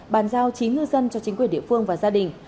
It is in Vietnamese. bàn giao chín ngư dân cho chính quyền địa phương và gia đình